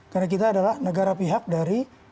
karena kita adalah negara pihak dari